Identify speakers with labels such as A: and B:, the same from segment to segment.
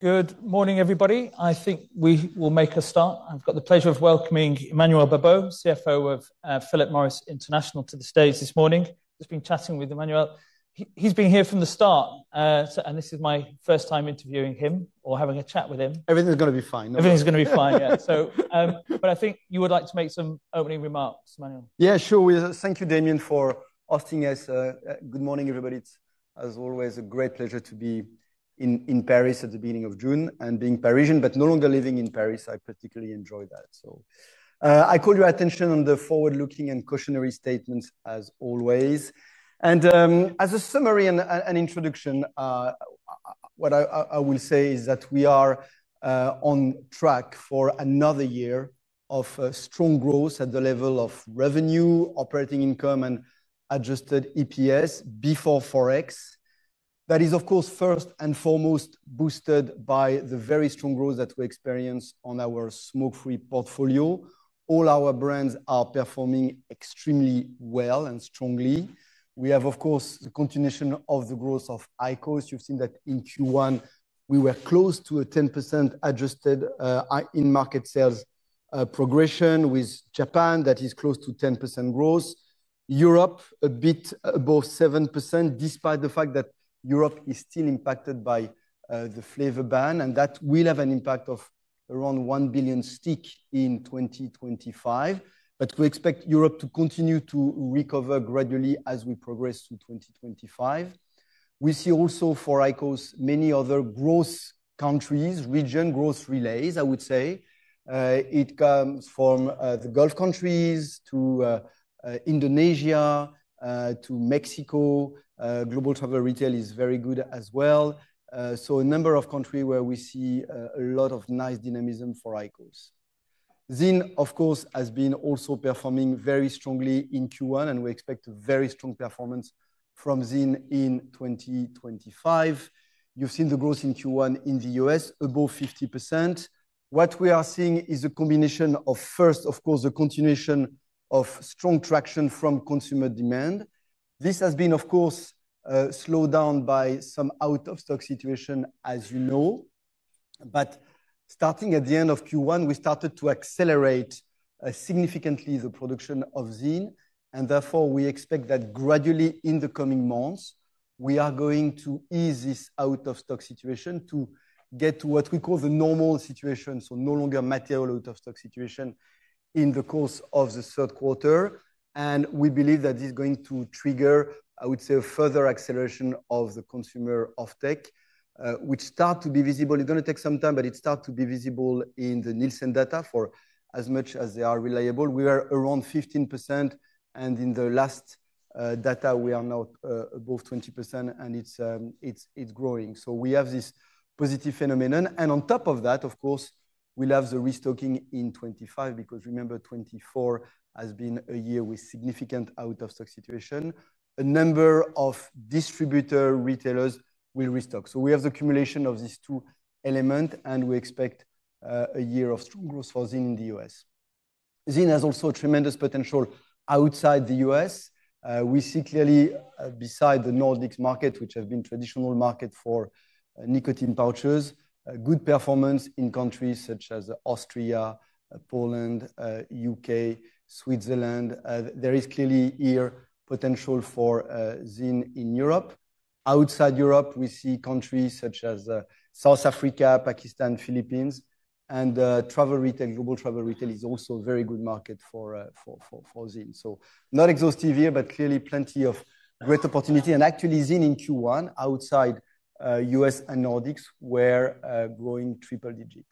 A: Good morning, everybody. I think we will make a start. I've got the pleasure of welcoming Emmanuel Babeau, CFO of Philip Morris International, to the stage this morning. We've been chatting with Emmanuel. He's been here from the start, and this is my first time interviewing him or having a chat with him.
B: Everything's going to be fine.
A: Everything's going to be fine, yeah. I think you would like to make some opening remarks, Emmanuel.
B: Yeah, sure. Thank you, Damien, for asking us. Good morning, everybody. It's, as always, a great pleasure to be in Paris at the beginning of June and being Parisian, but no longer living in Paris. I particularly enjoy that. I call your attention on the forward-looking and cautionary statements, as always. As a summary and introduction, what I will say is that we are on track for another year of strong growth at the level of revenue, operating income, and adjusted EPS before forex. That is, of course, first and foremost boosted by the very strong growth that we experience on our smoke-free portfolio. All our brands are performing extremely well and strongly. We have, of course, the continuation of the growth of IQOS. You've seen that in Q1, we were close to a 10% adjusted in-market sales progression with Japan that is close to 10% growth. Europe, a bit above 7%, despite the fact that Europe is still impacted by the flavor ban, and that will have an impact of around 1 billion stick in 2025. We expect Europe to continue to recover gradually as we progress to 2025. We see also for IQOS many other growth countries, region growth relays, I would say. It comes from the Gulf countries to Indonesia to Mexico. Global travel retail is very good as well. A number of countries where we see a lot of nice dynamism for IQOS. ZYN, of course, has been also performing very strongly in Q1, and we expect a very strong performance from ZYN in 2025. You've seen the growth in Q1 in the U.S., above 50%. What we are seeing is a combination of, first, of course, the continuation of strong traction from consumer demand. This has been, of course, slowed down by some out-of-stock situation, as you know. Starting at the end of Q1, we started to accelerate significantly the production of ZYN. Therefore, we expect that gradually in the coming months, we are going to ease this out-of-stock situation to get to what we call the normal situation, so no longer material out-of-stock situation in the course of the third quarter. We believe that is going to trigger, I would say, a further acceleration of the consumer offtake, which starts to be visible. It is going to take some time, but it starts to be visible in the Nielsen data for as much as they are reliable. We are around 15%. In the last data, we are now above 20%, and it is growing. We have this positive phenomenon. On top of that, of course, we'll have the restocking in 2025 because remember, 2024 has been a year with significant out-of-stock situation. A number of distributor retailers will restock. We have the accumulation of these two elements, and we expect a year of strong growth for ZYN in the U.S. ZYN has also tremendous potential outside the U.S. We see clearly beside the Nordics market, which has been a traditional market for nicotine pouches, good performance in countries such as Austria, Poland, the U.K., Switzerland. There is clearly here potential for ZYN in Europe. Outside Europe, we see countries such as South Africa, Pakistan, Philippines, and travel retail. Global travel retail is also a very good market for ZYN. Not exhaustive here, but clearly plenty of great opportunity. Actually, ZYN in Q1 outside U.S. and Nordics were growing triple digit.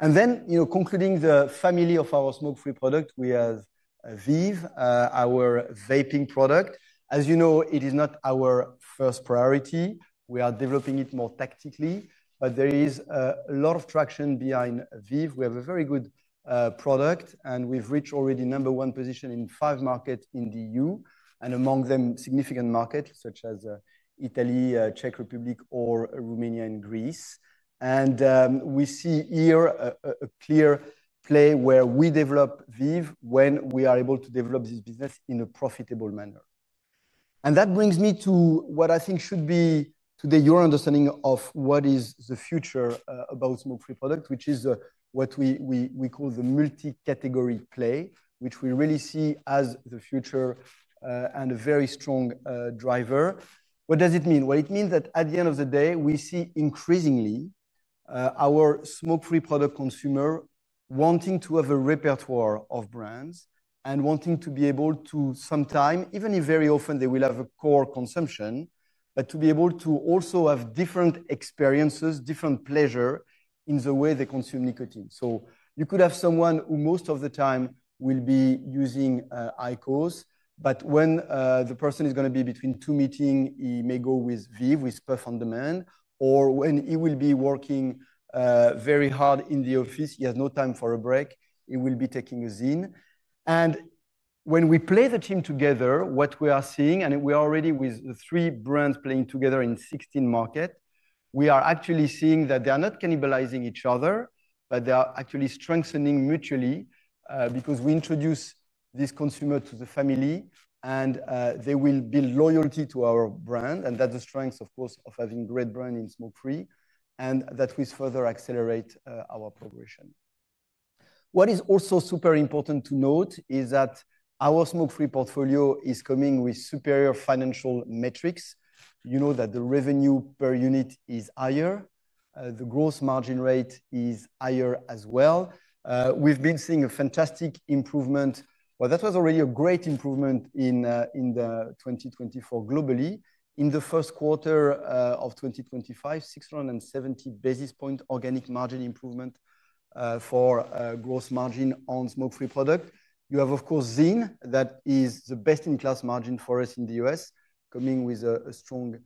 B: Then, you know, concluding the family of our smoke-free product, we have VEEV, our vaping product. As you know, it is not our first priority. We are developing it more tactically, but there is a lot of traction behind VEEV. We have a very good product, and we've reached already number one position in five markets in the EU, and among them, significant markets such as Italy, Czech Republic, or Romania and Greece. We see here a clear play where we develop VEEV when we are able to develop this business in a profitable manner. That brings me to what I think should be today your understanding of what is the future about smoke-free product, which is what we call the multi-category play, which we really see as the future and a very strong driver. What does it mean? It means that at the end of the day, we see increasingly our smoke-free product consumer wanting to have a repertoire of brands and wanting to be able to sometime, even if very often, they will have a core consumption, but to be able to also have different experiences, different pleasure in the way they consume nicotine. You could have someone who most of the time will be using IQOS, but when the person is going to be between two meetings, he may go with VEEV, with puff on demand, or when he will be working very hard in the office, he has no time for a break, he will be taking a ZYN. When we play the team together, what we are seeing, and we are already with three brands playing together in 16 markets, we are actually seeing that they are not cannibalizing each other, but they are actually strengthening mutually because we introduce this consumer to the family, and they will build loyalty to our brand. That is the strength, of course, of having a great brand in smoke-free, and that will further accelerate our progression. What is also super important to note is that our smoke-free portfolio is coming with superior financial metrics. You know that the revenue per unit is higher. The gross margin rate is higher as well. You have been seeing a fantastic improvement. That was already a great improvement in 2024 globally. In the first quarter of 2025, 670 basis point organic margin improvement for gross margin on smoke-free product. You have, of course, ZYN. That is the best-in-class margin for us in the U.S., coming with a strong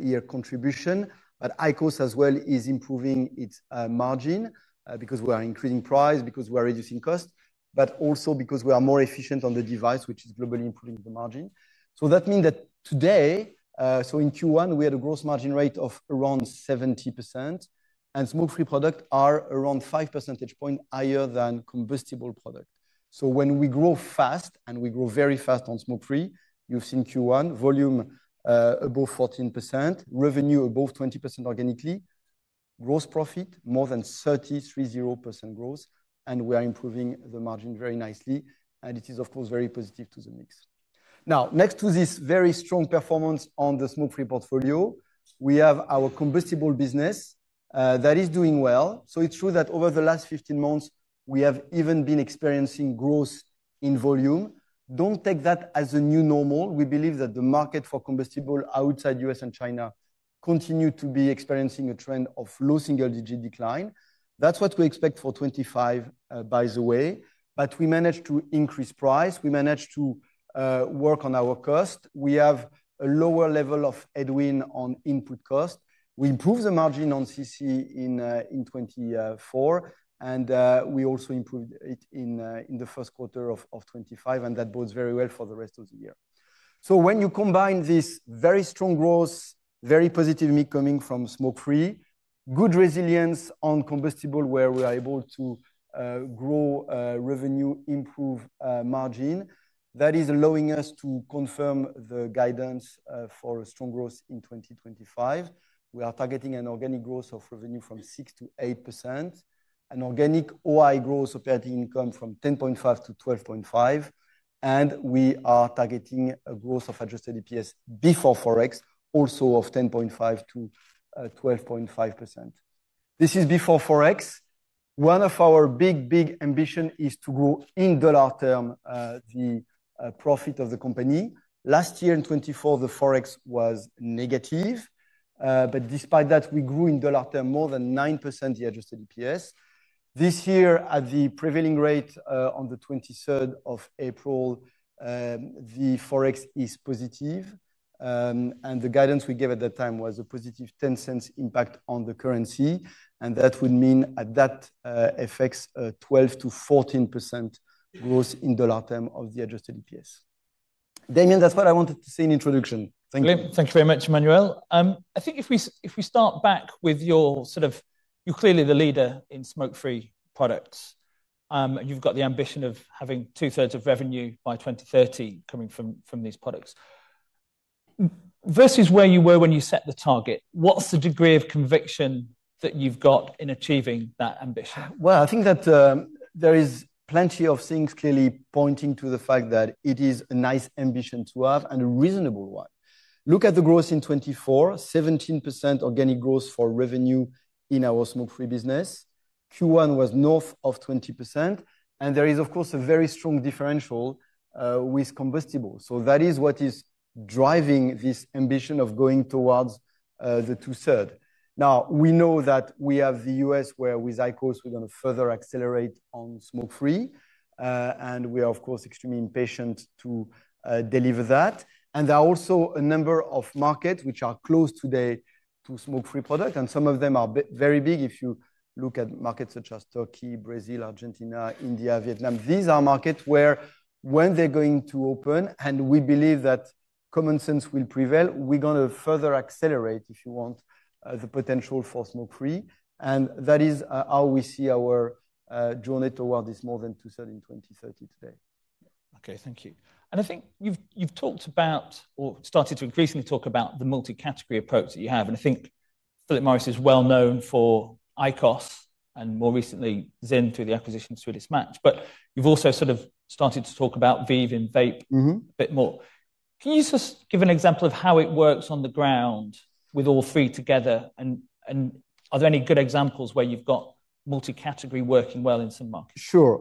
B: year contribution. IQOS as well is improving its margin because we are increasing price, because we are reducing cost, but also because we are more efficient on the device, which is globally improving the margin. That means that today, in Q1, we had a gross margin rate of around 70%, and smoke-free products are around 5 percentage points higher than combustible products. When we grow fast and we grow very fast on smoke-free, you've seen Q1 volume above 14%, revenue above 20% organically, gross profit more than 33% growth, and we are improving the margin very nicely. It is, of course, very positive to the mix. Next to this very strong performance on the smoke-free portfolio, we have our combustible business that is doing well. It is true that over the last 15 months, we have even been experiencing growth in volume. Do not take that as a new normal. We believe that the market for combustible outside the U.S. and China continues to be experiencing a trend of low single-digit decline. That is what we expect for 2025, by the way. We managed to increase price. We managed to work on our cost. We have a lower level of headwind on input cost. We improved the margin on CC in 2024, and we also improved it in the first quarter of 2025, and that bodes very well for the rest of the year. When you combine this very strong growth, very positive mix coming from smoke-free, good resilience on combustible where we are able to grow revenue, improve margin, that is allowing us to confirm the guidance for strong growth in 2025. We are targeting an organic growth of revenue from 6% to 8%, an organic OI growth operating income from 10.5% to 12.5%, and we are targeting a growth of adjusted EPS before forex also of 10.5% to 12.5%. This is before forex. One of our big, big ambitions is to grow in dollar term the profit of the company. Last year in 2024, the forex was negative, but despite that, we grew in dollar term more than 9% the adjusted EPS. This year, at the prevailing rate on the 23rd of April, the forex is positive, and the guidance we gave at that time was a positive $0.10 impact on the currency, and that would mean at that effects 12% to 14% growth in dollar term of the adjusted EPS. Damien, that's what I wanted to say in the introduction. Thank you.
A: Thank you very much, Emmanuel. I think if we start back with your sort of, you're clearly the leader in smoke-free products. You've got the ambition of having 2/3 of revenue by 2030 coming from these products. Versus where you were when you set the target, what's the degree of conviction that you've got in achieving that ambition?
B: I think that there is plenty of things clearly pointing to the fact that it is a nice ambition to have and a reasonable one. Look at the growth in 2024, 17% organic growth for revenue in our smoke-free business. Q1 was north of 20%, and there is, of course, a very strong differential with combustible. That is what is driving this ambition of going towards the two-thirds. Now, we know that we have the U.S. where with IQOS, we're going to further accelerate on smoke-free, and we are, of course, extremely impatient to deliver that. There are also a number of markets which are close today to smoke-free products, and some of them are very big. If you look at markets such as Turkey, Brazil, Argentina, India, Vietnam, these are markets where when they're going to open, and we believe that common sense will prevail, we're going to further accelerate, if you want, the potential for smoke-free. That is how we see our journey towards this more than two-thirds in 2030 today.
A: Okay, thank you. I think you've talked about, or started to increasingly talk about the multi-category approach that you have. I think Philip Morris is well known for IQOS and more recently ZYN through the acquisition through Swedish Match. You've also sort of started to talk about VEEV in vape a bit more. Can you just give an example of how it works on the ground with all three together? Are there any good examples where you've got multi-category working well in some markets?
B: Sure.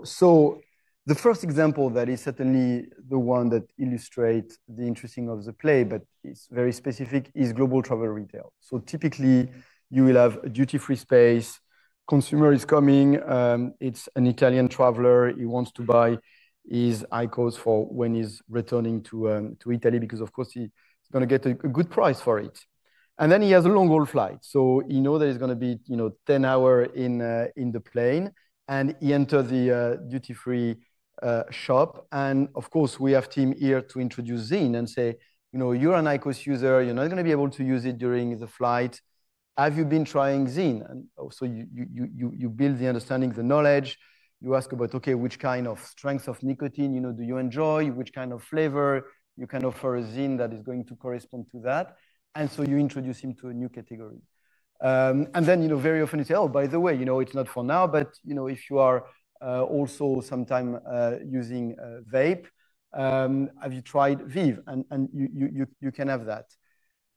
B: The first example that is certainly the one that illustrates the interesting of the play, but it's very specific, is global travel retail. Typically, you will have a duty-free space. Consumer is coming. It's an Italian traveler. He wants to buy his IQOS for when he's returning to Italy because, of course, he's going to get a good price for it. He has a long-haul flight. He knows that it's going to be 10 hours in the plane, and he enters the duty-free shop. Of course, we have team here to introduce ZYN and say, you know, you're an IQOS user. You're not going to be able to use it during the flight. Have you been trying ZYN? You build the understanding, the knowledge. You ask about, okay, which kind of strength of nicotine do you enjoy? Which kind of flavor? You can offer a ZYN that is going to correspond to that. You introduce him to a new category. You know, very often you say, oh, by the way, you know, it's not for now, but you know, if you are also sometime using vape, have you tried VEEV? You can have that.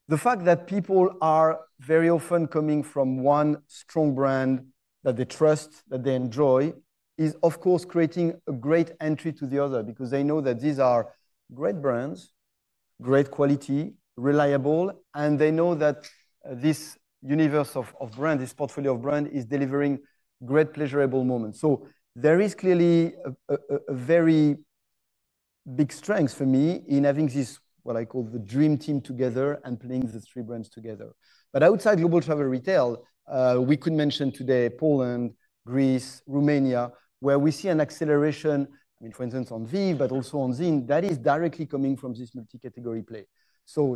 B: The fact that people are very often coming from one strong brand that they trust, that they enjoy, is of course creating a great entry to the other because they know that these are great brands, great quality, reliable, and they know that this universe of brand, this portfolio of brand is delivering great pleasurable moments. There is clearly a very big strength for me in having this, what I call the dream team together and playing the three brands together. Outside global travel retail, we could mention today Poland, Greece, Romania, where we see an acceleration, I mean, for instance, on VEEV, but also on ZYN that is directly coming from this multi-category play.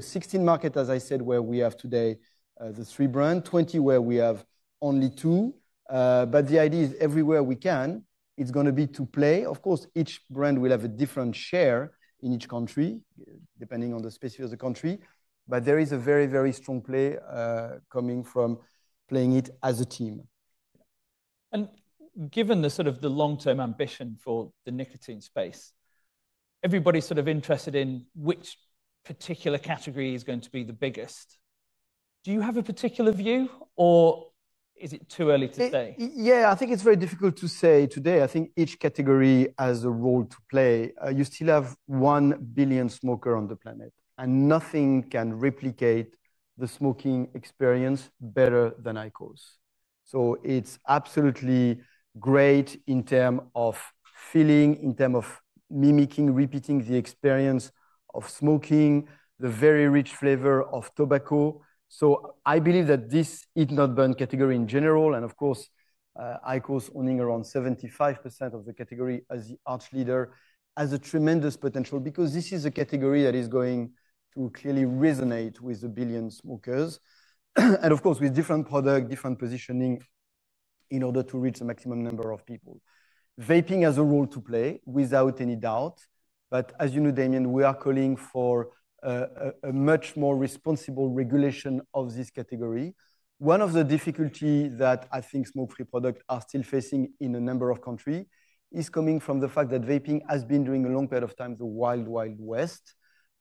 B: Sixteen markets, as I said, where we have today the three brands, twenty where we have only two. The idea is everywhere we can, it's going to be to play. Of course, each brand will have a different share in each country depending on the specific of the country, but there is a very, very strong play coming from playing it as a team.
A: Given the sort of the long-term ambition for the nicotine space, everybody's sort of interested in which particular category is going to be the biggest. Do you have a particular view, or is it too early to say?
B: Yeah, I think it's very difficult to say today. I think each category has a role to play. You still have 1 billion smokers on the planet, and nothing can replicate the smoking experience better than IQOS. It's absolutely great in terms of feeling, in terms of mimicking, repeating the experience of smoking, the very rich flavor of tobacco. I believe that this heat-not-burn category in general, and of course, IQOS owning around 75% of the category as the arch leader, has tremendous potential because this is a category that is going to clearly resonate with the billion smokers, and of course, with different products, different positioning in order to reach the maximum number of people. Vaping has a role to play without any doubt. As you know, Damien, we are calling for a much more responsible regulation of this category. One of the difficulties that I think smoke-free products are still facing in a number of countries is coming from the fact that vaping has been during a long period of time the wild, wild west,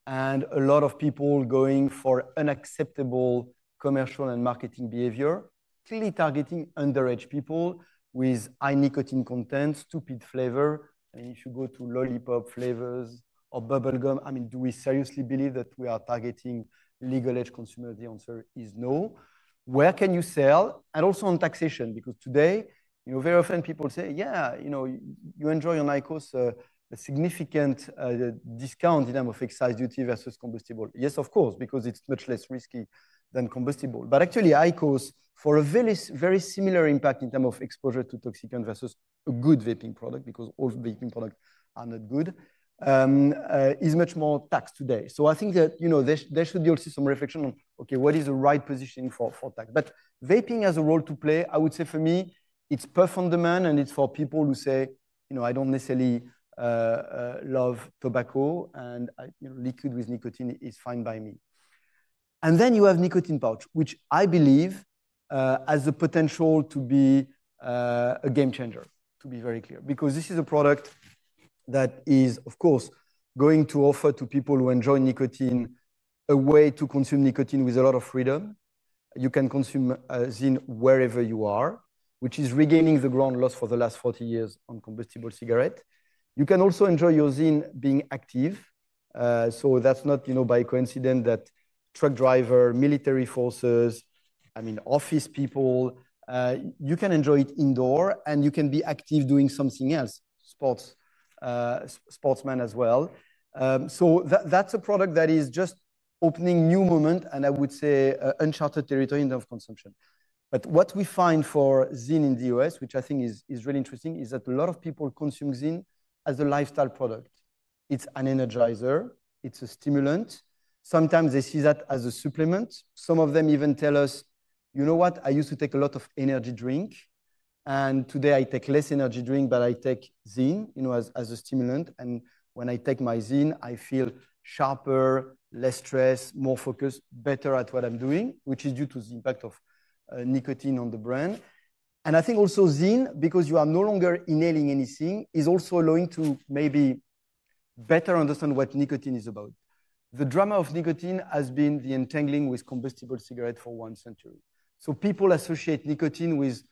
B: and a lot of people going for unacceptable commercial and marketing behavior, clearly targeting underage people with high nicotine content, stupid flavor. If you go to lollipop flavors or bubblegum, I mean, do we seriously believe that we are targeting legal age consumers? The answer is no. Where can you sell? Also on taxation, because today, you know, very often people say, yeah, you know, you enjoy on IQOS a significant discount in terms of excise duty versus combustible. Yes, of course, because it's much less risky than combustible. Actually, IQOS for a very, very similar impact in terms of exposure to toxicant versus a good vaping product, because all vaping products are not good, is much more taxed today. I think that, you know, there should be also some reflection on, okay, what is the right positioning for tax? Vaping has a role to play. I would say for me, it's perf on demand, and it's for people who say, you know, I don't necessarily love tobacco, and liquid with nicotine is fine by me. Then you have nicotine pouch, which I believe has the potential to be a game changer, to be very clear, because this is a product that is, of course, going to offer to people who enjoy nicotine a way to consume nicotine with a lot of freedom. You can consume ZYN wherever you are, which is regaining the ground lost for the last 40 years on combustible cigarette. You can also enjoy your ZYN being active. That's not, you know, by coincidence that truck driver, military forces, I mean, office people, you can enjoy it indoor, and you can be active doing something else, sportsman as well. That's a product that is just opening new moments, and I would say uncharted territory in terms of consumption. What we find for ZYN in the U.S., which I think is really interesting, is that a lot of people consume ZYN as a lifestyle product. It's an energizer. It's a stimulant. Sometimes they see that as a supplement. Some of them even tell us, you know what, I used to take a lot of energy drink, and today I take less energy drink, but I take ZYN, you know, as a stimulant. When I take my ZYN, I feel sharper, less stressed, more focused, better at what I'm doing, which is due to the impact of nicotine on the brand. I think also ZYN, because you are no longer inhaling anything, is also allowing to maybe better understand what nicotine is about. The drama of nicotine has been the entangling with combustible cigarette for one century. People associate nicotine with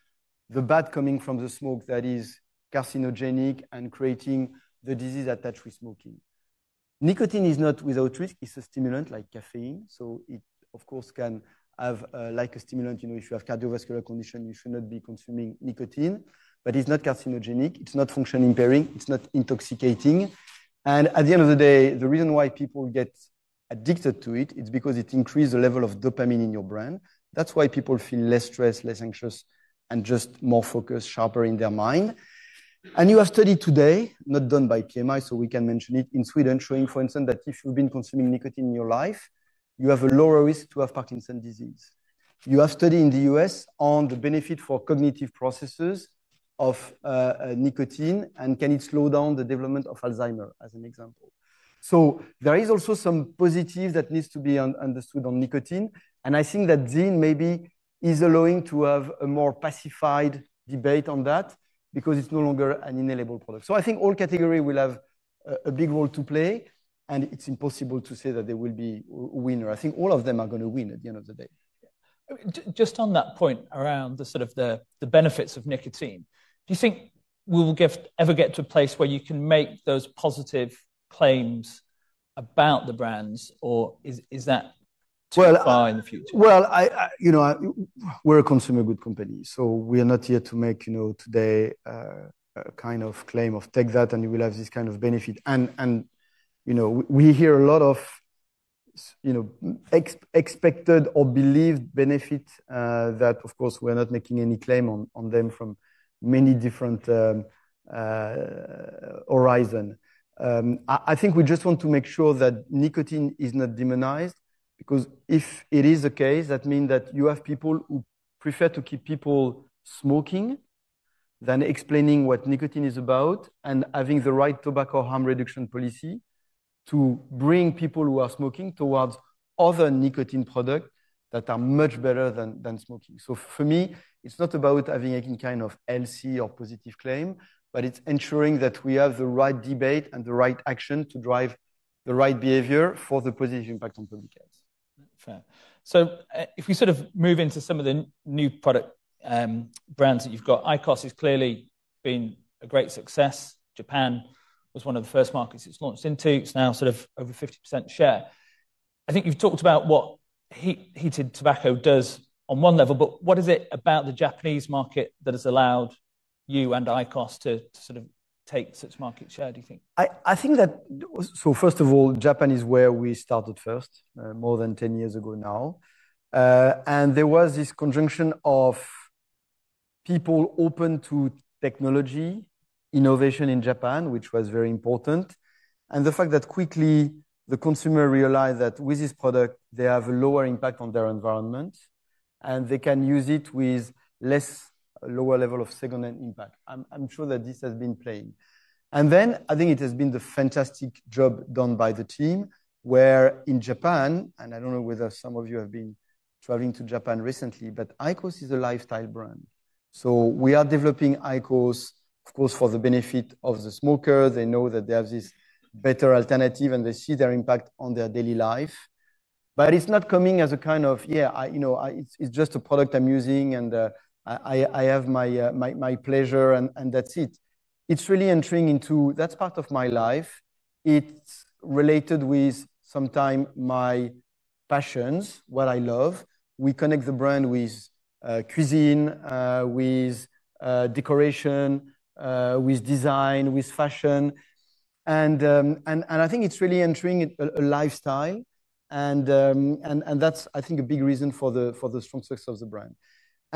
B: the bad coming from the smoke that is carcinogenic and creating the disease attached with smoking. Nicotine is not without risk. It's a stimulant like caffeine. It, of course, can have like a stimulant. You know, if you have cardiovascular condition, you should not be consuming nicotine, but it's not carcinogenic. It's not function impairing. It's not intoxicating. At the end of the day, the reason why people get addicted to it, it's because it increases the level of dopamine in your brain. That's why people feel less stressed, less anxious, and just more focused, sharper in their mind. You have studies today, not done by PMI, so we can mention it in Sweden, showing, for instance, that if you've been consuming nicotine in your life, you have a lower risk to have Parkinson's disease. You have studies in the U.S. on the benefit for cognitive processes of nicotine and can it slow down the development of Alzheimer's as an example. There is also some positives that need to be understood on nicotine. I think that ZYN maybe is allowing to have a more pacified debate on that because it's no longer an inhalable product. I think all categories will have a big role to play, and it's impossible to say that they will be a winner. I think all of them are going to win at the end of the day.
A: Just on that point around the sort of the benefits of nicotine, do you think we will ever get to a place where you can make those positive claims about the brands, or is that too far in the future?
B: You know, we're a consumer good company. We are not here to make, you know, today a kind of claim of take that and you will have this kind of benefit. You know, we hear a lot of, you know, expected or believed benefits that, of course, we're not making any claim on them from many different horizons. I think we just want to make sure that nicotine is not demonized, because if it is the case, that means that you have people who prefer to keep people smoking than explaining what nicotine is about and having the right tobacco harm reduction policy to bring people who are smoking towards other nicotine products that are much better than smoking. For me, it's not about having any kind of healthy or positive claim, but it's ensuring that we have the right debate and the right action to drive the right behavior for the positive impact on public health.
A: Fair. If we sort of move into some of the new product brands that you've got, IQOS has clearly been a great success. Japan was one of the first markets it's launched into. It's now sort of over 50% share. I think you've talked about what heated tobacco does on one level, but what is it about the Japanese market that has allowed you and IQOS to sort of take such market share, do you think?
B: I think that, first of all, Japan is where we started first, more than 10 years ago now. There was this conjunction of people open to technology, innovation in Japan, which was very important, and the fact that quickly the consumer realized that with this product, they have a lower impact on their environment and they can use it with less lower level of secondhand impact. I'm sure that this has been playing. I think it has been the fantastic job done by the team where in Japan, and I don't know whether some of you have been traveling to Japan recently, but IQOS is a lifestyle brand. We are developing IQOS, of course, for the benefit of the smokers. They know that they have this better alternative and they see their impact on their daily life. It is not coming as a kind of, yeah, you know, it's just a product I'm using and I have my pleasure and that's it. It is really entering into, that's part of my life. It is related with sometimes my passions, what I love. We connect the brand with cuisine, with decoration, with design, with fashion. I think it is really entering a lifestyle. I think that's a big reason for the strong success of the brand.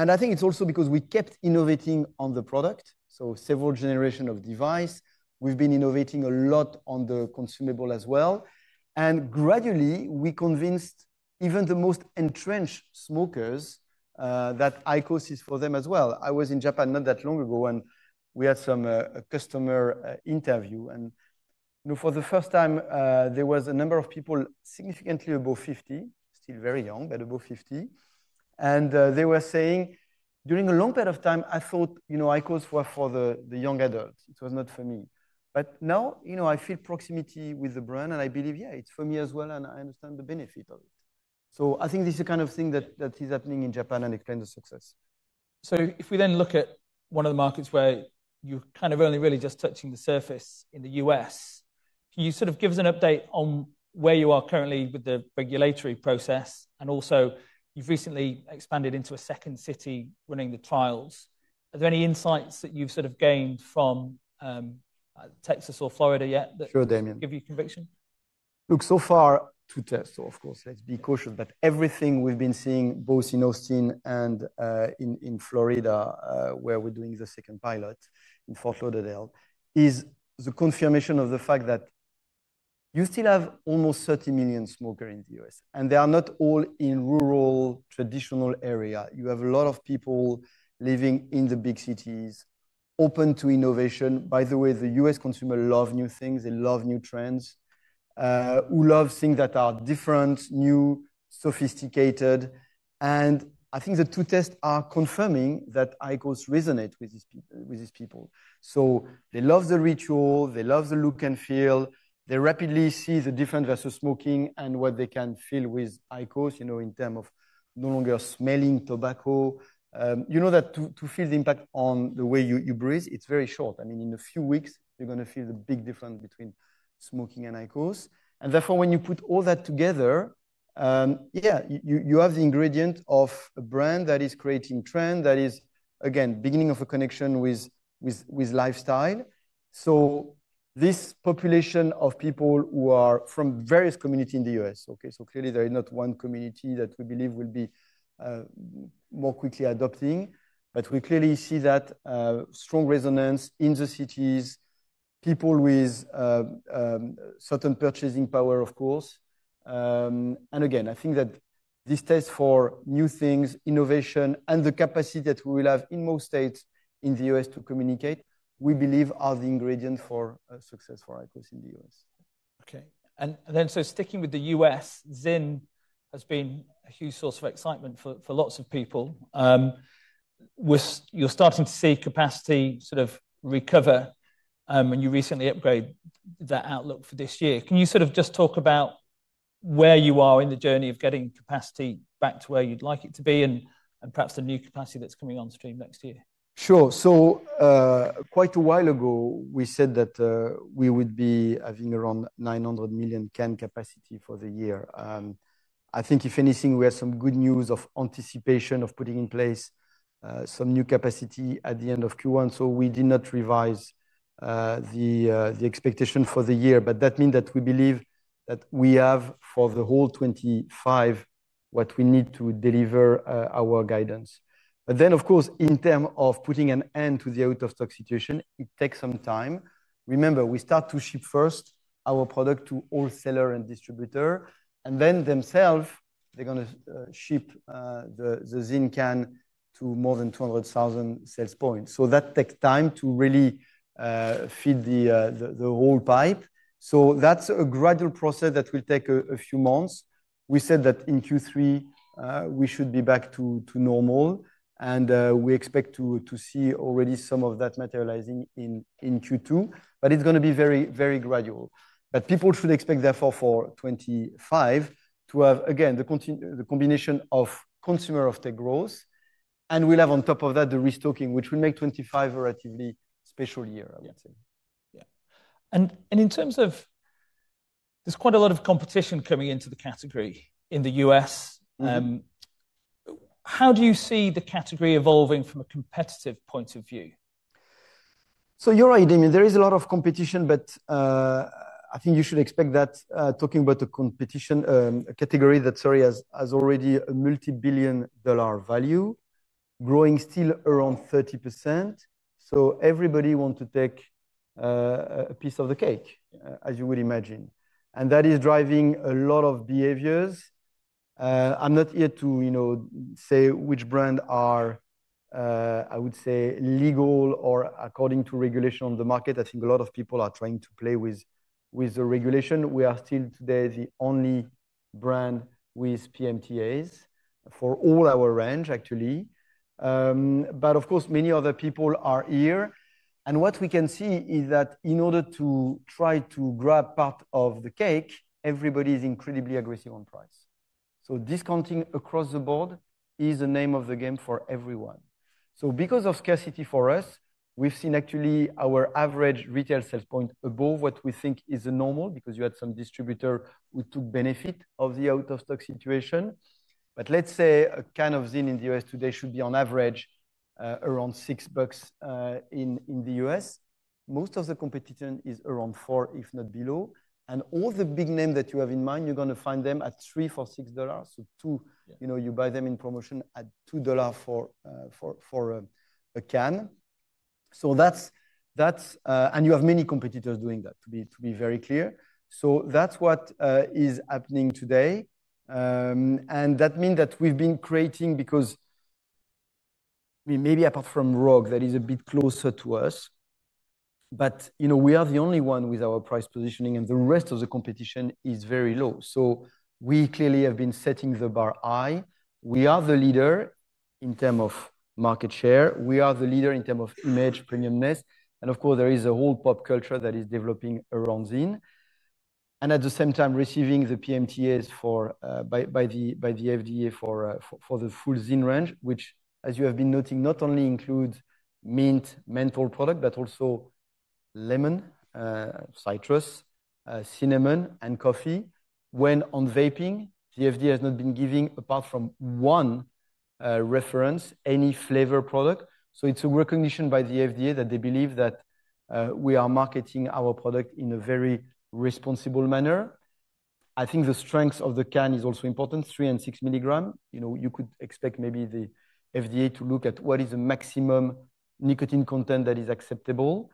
B: I think it is also because we kept innovating on the product. Several generations of devices. We've been innovating a lot on the consumable as well. Gradually we convinced even the most entrenched smokers that IQOS is for them as well. I was in Japan not that long ago and we had some customer interview. For the first time, there was a number of people significantly above 50, still very young, but above 50. They were saying, during a long period of time, I thought, you know, IQOS was for the young adults. It was not for me. Now, you know, I feel proximity with the brand and I believe, yeah, it's for me as well and I understand the benefit of it. I think this is the kind of thing that is happening in Japan and explains the success.
A: If we then look at one of the markets where you're kind of only really just touching the surface in the U.S., can you sort of give us an update on where you are currently with the regulatory process? Also, you've recently expanded into a second city running the trials. Are there any insights that you've sort of gained from Texas or Florida yet that give you conviction?
B: Look, so far. To test. Of course, let's be cautious. Everything we've been seeing both in Austin and in Florida, where we're doing the second pilot in Fort Lauderdale, is the confirmation of the fact that you still have almost 30 million smokers in the U.S. They are not all in rural traditional areas. You have a lot of people living in the big cities, open to innovation. By the way, the U.S. consumers love new things. They love new trends. Who loves things that are different, new, sophisticated. I think the two tests are confirming that IQOS resonates with these people. They love the ritual. They love the look and feel. They rapidly see the difference versus smoking and what they can feel with IQOS, you know, in terms of no longer smelling tobacco. You know that to feel the impact on the way you breathe, it's very short. I mean, in a few weeks, you're going to feel the big difference between smoking and IQOS. Therefore, when you put all that together, yeah, you have the ingredient of a brand that is creating trend that is, again, beginning of a connection with lifestyle. This population of people who are from various communities in the U.S., okay, clearly there is not one community that we believe will be more quickly adopting. We clearly see that strong resonance in the cities, people with certain purchasing power, of course. Again, I think that this test for new things, innovation, and the capacity that we will have in most states in the U.S. to communicate, we believe are the ingredients for success for IQOS in the U.S.
A: Okay. Sticking with the U.S., ZYN has been a huge source of excitement for lots of people. You're starting to see capacity sort of recover, and you recently upgraded that outlook for this year. Can you sort of just talk about where you are in the journey of getting capacity back to where you'd like it to be and perhaps the new capacity that's coming on stream next year?
B: Sure. Quite a while ago, we said that we would be having around 900 million can capacity for the year. I think if anything, we have some good news of anticipation of putting in place some new capacity at the end of Q1. We did not revise the expectation for the year, but that means that we believe that we have for the whole 2025 what we need to deliver our guidance. Of course, in terms of putting an end to the out-of-stock situation, it takes some time. Remember, we start to ship first our product to wholesaler and distributor, and then themselves, they're going to ship the ZYN can to more than 200,000 sales points. That takes time to really feed the whole pipe. That is a gradual process that will take a few months. We said that in Q3, we should be back to normal, and we expect to see already some of that materializing in Q2, but it is going to be very, very gradual. People should expect therefore for 2025 to have, again, the combination of consumer offtake growth, and we will have on top of that the restocking, which will make 2025 a relatively special year, I would say.
A: Yeah. In terms of, there's quite a lot of competition coming into the category in the U.S. How do you see the category evolving from a competitive point of view?
B: You're right, I mean, there is a lot of competition, but I think you should expect that talking about the competition category that, sorry, has already a multi-billion dollar value, growing still around 30%. Everybody wants to take a piece of the cake, as you would imagine. That is driving a lot of behaviors. I'm not here to, you know, say which brands are, I would say, legal or according to regulation on the market. I think a lot of people are trying to play with the regulation. We are still today the only brand with PMTAs for all our range, actually. Of course, many other people are here. What we can see is that in order to try to grab part of the cake, everybody is incredibly aggressive on price. Discounting across the board is the name of the game for everyone. Because of scarcity for us, we've seen actually our average retail sales point above what we think is the normal because you had some distributor who took benefit of the out-of-stock situation. Let's say a can of ZYN in the U.S. today should be on average around $6 in the U.S. Most of the competition is around $4, if not below. All the big names that you have in mind, you're going to find them at $3, $4, $6. You buy them in promotion at $2 for a can. You have many competitors doing that, to be very clear. That is what is happening today. That means that we've been creating, because maybe apart from Rogue, that is a bit closer to us, but you know, we are the only one with our price positioning and the rest of the competition is very low. We clearly have been setting the bar high. We are the leader in terms of market share. We are the leader in terms of image, premiumness. Of course, there is a whole pop culture that is developing around ZYN. At the same time, receiving the PMTAs by the FDA for the full ZYN range, which, as you have been noting, not only includes mint, menthol product, but also lemon, citrus, cinnamon, and coffee. When on vaping, the FDA has not been giving, apart from one reference, any flavor product. It is a recognition by the FDA that they believe that we are marketing our product in a very responsible manner. I think the strength of the can is also important, three and six milligrams. You know, you could expect maybe the FDA to look at what is the maximum nicotine content that is acceptable.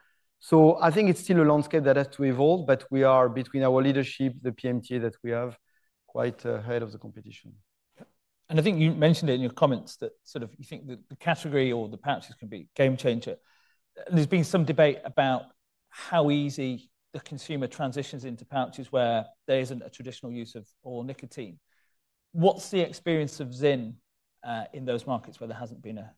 B: I think it is still a landscape that has to evolve, but we are between our leadership, the PMTA that we have, quite ahead of the competition.
A: I think you mentioned it in your comments that sort of you think that the category or the pouches can be a game changer. There's been some debate about how easy the consumer transitions into pouches where there isn't a traditional use of oral nicotine. What's the experience of ZYN in those markets where there hasn't been a?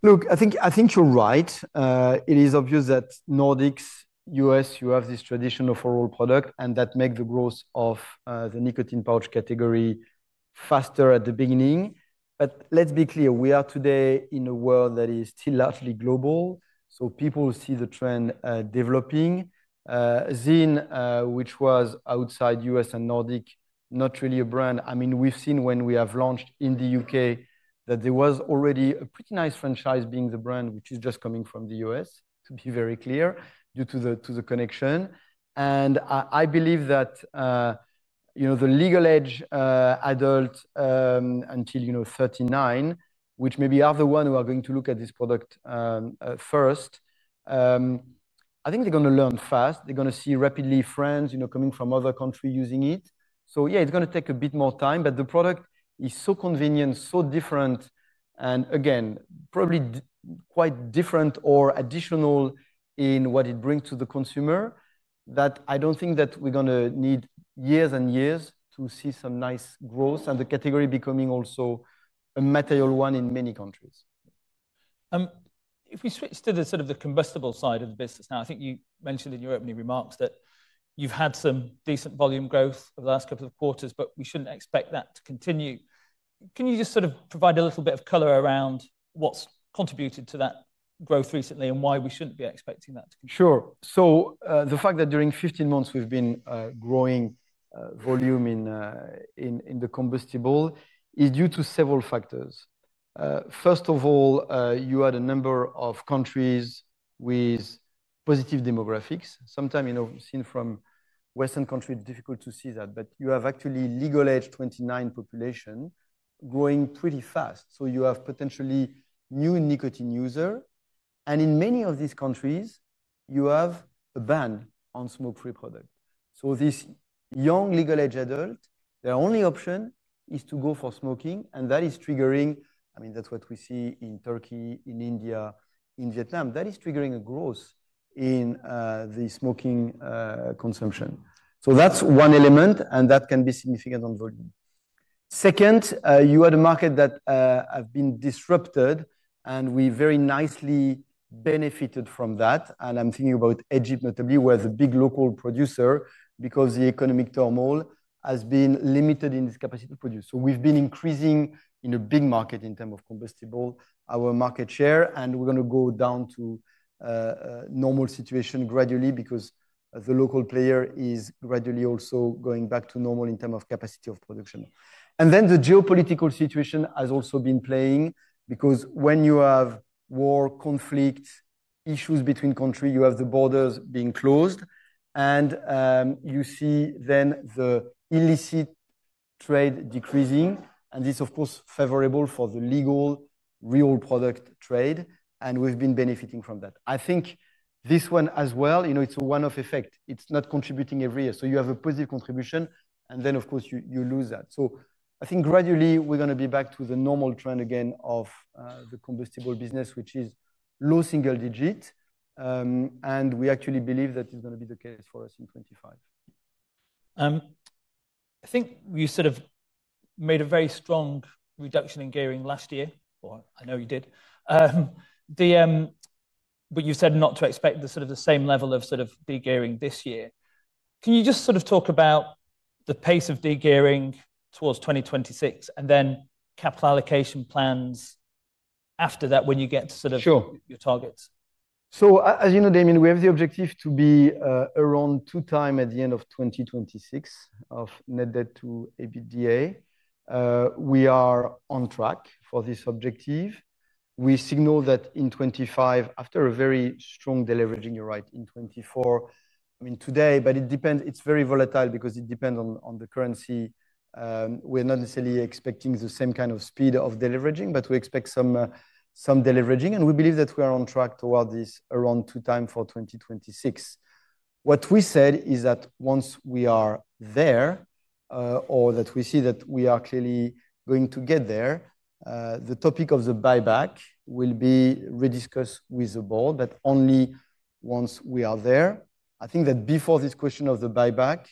B: Look, I think you're right. It is obvious that Nordics, U.S., you have this tradition of oral product and that makes the growth of the nicotine pouch category faster at the beginning. Let's be clear, we are today in a world that is still largely global. People see the trend developing. ZYN, which was outside U.S. and Nordics, not really a brand. I mean, we've seen when we have launched in the U.K. that there was already a pretty nice franchise being the brand, which is just coming from the U.S., to be very clear, due to the connection. I believe that, you know, the legal age adult until, you know, 39, which maybe are the ones who are going to look at this product first, I think they're going to learn fast. They're going to see rapidly friends, you know, coming from other countries using it. Yeah, it's going to take a bit more time, but the product is so convenient, so different, and again, probably quite different or additional in what it brings to the consumer that I don't think that we're going to need years and years to see some nice growth and the category becoming also a material one in many countries.
A: If we switch to the sort of the combustible side of the business now, I think you mentioned in your opening remarks that you've had some decent volume growth over the last couple of quarters, but we shouldn't expect that to continue. Can you just sort of provide a little bit of color around what's contributed to that growth recently and why we shouldn't be expecting that to continue?
B: Sure. The fact that during 15 months we've been growing volume in the combustible is due to several factors. First of all, you had a number of countries with positive demographics. Sometimes, you know, seen from Western countries, it's difficult to see that, but you have actually legal age 29 population growing pretty fast. You have potentially new nicotine users. In many of these countries, you have a ban on smoke-free products. This young legal age adult, their only option is to go for smoking, and that is triggering, I mean, that's what we see in Türkiye, in India, in Vietnam. That is triggering a growth in the smoking consumption. That's one element, and that can be significant on volume. Second, you had a market that has been disrupted, and we very nicely benefited from that. I'm thinking about Egypt, notably, where the big local producer, because the economic turmoil has been limited in its capacity to produce. We have been increasing in a big market in terms of combustible, our market share, and we're going to go down to a normal situation gradually because the local player is gradually also going back to normal in terms of capacity of production. The geopolitical situation has also been playing because when you have war, conflict, issues between countries, you have the borders being closed, and you see then the illicit trade decreasing, and this is, of course, favorable for the legal real product trade, and we've been benefiting from that. I think this one as well, you know, it's a one-off effect. It's not contributing every year. You have a positive contribution, and then, of course, you lose that. I think gradually we're going to be back to the normal trend again of the combustible business, which is low single digit, and we actually believe that is going to be the case for us in 2025.
A: I think you sort of made a very strong reduction in gearing last year, or I know you did. You said not to expect the sort of the same level of sort of degearing this year. Can you just sort of talk about the pace of degearing towards 2026 and then capital allocation plans after that when you get to sort of your targets?
B: Sure. As you know, Damien, we have the objective to be around two times at the end of 2026 of net debt to EBITDA. We are on track for this objective. We signal that in 2025, after a very strong deleveraging, you're right, in 2024, I mean, today, but it depends, it's very volatile because it depends on the currency. We're not necessarily expecting the same kind of speed of deleveraging, but we expect some deleveraging, and we believe that we are on track towards this around two times for 2026. What we said is that once we are there, or that we see that we are clearly going to get there, the topic of the buyback will be rediscussed with the board, but only once we are there. I think that before this question of the buyback,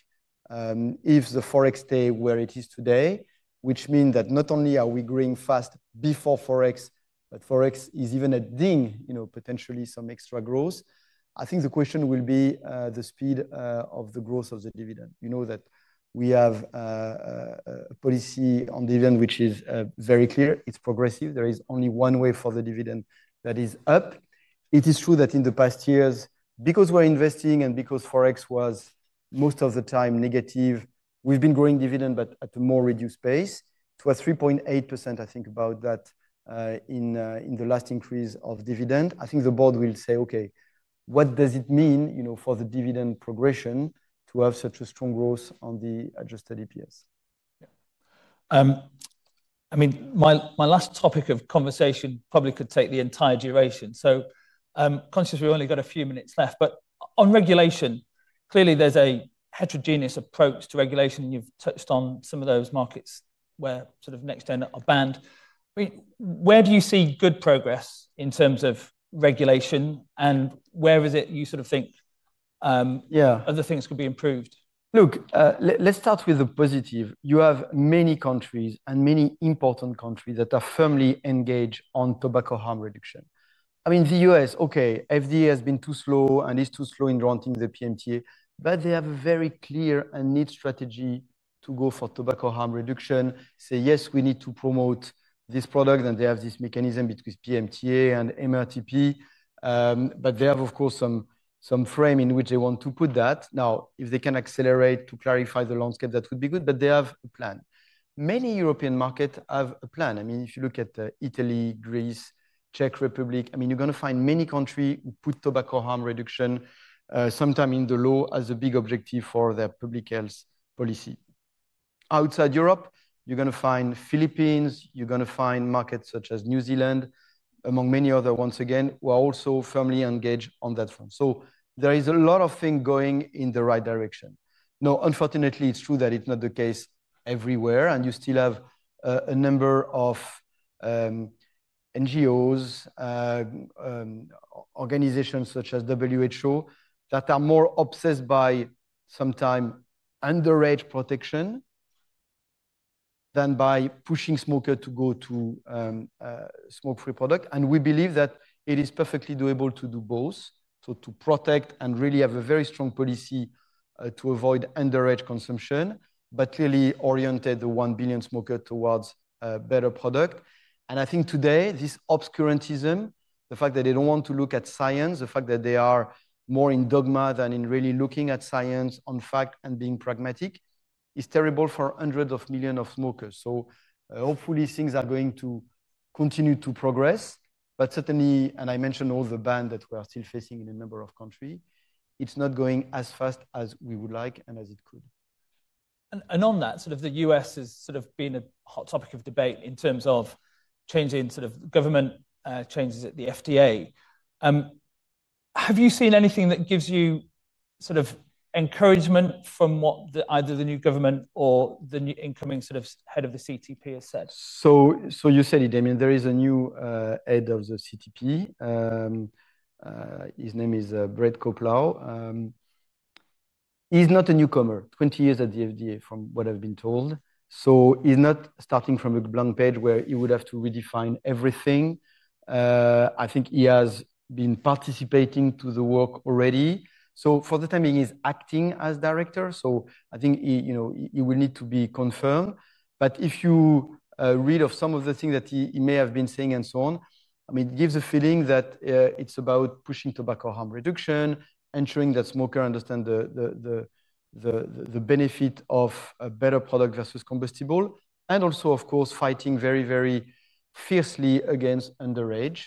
B: if the Forex stays where it is today, which means that not only are we growing fast before Forex, but Forex is even a ding, you know, potentially some extra growth, I think the question will be the speed of the growth of the dividend. You know that we have a policy on dividend, which is very clear. It's progressive. There is only one way for the dividend that is up. It is true that in the past years, because we're investing and because Forex was most of the time negative, we've been growing dividend, but at a more reduced pace. It was 3.8%, I think about that in the last increase of dividend. I think the board will say, okay, what does it mean, you know, for the dividend progression to have such a strong growth on the adjusted EPS.
A: Yeah. I mean, my last topic of conversation probably could take the entire duration. Conscious we've only got a few minutes left, but on regulation, clearly there's a heterogeneous approach to regulation, and you've touched on some of those markets where sort of next gen are banned. I mean, where do you see good progress in terms of regulation, and where is it you sort of think other things could be improved?
B: Look, let's start with the positive. You have many countries and many important countries that are firmly engaged on tobacco harm reduction. I mean, the U.S., okay, FDA has been too slow and is too slow in granting the PMTA, but they have a very clear and neat strategy to go for tobacco harm reduction, say, yes, we need to promote this product, and they have this mechanism between PMTA and MRTP, but they have, of course, some frame in which they want to put that. Now, if they can accelerate to clarify the landscape, that would be good, but they have a plan. Many European markets have a plan. I mean, if you look at Italy, Greece, Czech Republic, I mean, you're going to find many countries who put tobacco harm reduction sometime in the law as a big objective for their public health policy. Outside Europe, you're going to find Philippines, you're going to find markets such as New Zealand, among many others, once again, who are also firmly engaged on that front. There is a lot of things going in the right direction. Now, unfortunately, it's true that it's not the case everywhere, and you still have a number of NGOs, organizations such as WHO that are more obsessed by sometime underage protection than by pushing smokers to go to smoke-free products. We believe that it is perfectly doable to do both, to protect and really have a very strong policy to avoid underage consumption, but clearly oriented the one billion smokers towards a better product. I think today this obscurantism, the fact that they do not want to look at science, the fact that they are more in dogma than in really looking at science, on fact, and being pragmatic is terrible for hundreds of millions of smokers. Hopefully things are going to continue to progress, but certainly, and I mentioned all the bans that we are still facing in a number of countries, it is not going as fast as we would like and as it could.
A: On that, sort of the U.S. has sort of been a hot topic of debate in terms of changing sort of government changes at the FDA. Have you seen anything that gives you sort of encouragement from what either the new government or the incoming sort of head of the CTP has said?
B: You said it, Damien. There is a new head of the CTP. His name is Bret Koplow. He's not a newcomer, 20 years at the FDA, from what I've been told. He's not starting from a blank page where he would have to redefine everything. I think he has been participating in the work already. For the time being, he's acting as director. I think, you know, he will need to be confirmed. If you read some of the things that he may have been saying and so on, it gives a feeling that it's about pushing tobacco harm reduction, ensuring that smokers understand the benefit of a better product versus combustible, and also, of course, fighting very, very fiercely against underage.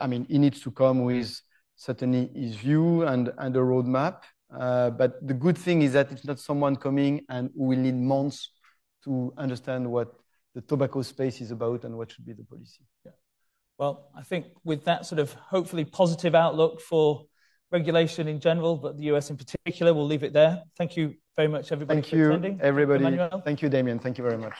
B: I mean, he needs to come with certainly his view and a roadmap. The good thing is that it's not someone coming and who will need months to understand what the tobacco space is about and what should be the policy.
A: Yeah. I think with that sort of hopefully positive outlook for regulation in general, but the U.S. in particular, we'll leave it there. Thank you very much, everybody.
B: Thank you, everybody. Thank you, Damien. Thank you very much.